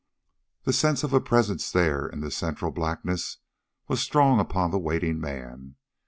The sense of a presence there in the central blackness was strong upon the waiting man.